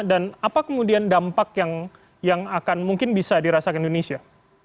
dan apa kemudian dampak yang akan mungkin bisa dirasakan indonesia